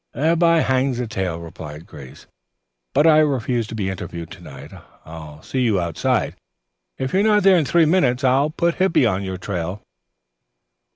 "'Thereby hangs a tale,'" replied Grace, "but I refuse to be interviewed to night. I'll see you outside. If you're not there in three minutes, I'll put Hippy on your trail."